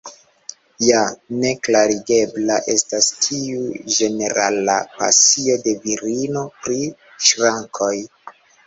Ja ne klarigebla estas tiu ĝenerala pasio de virino pri ŝrankoj.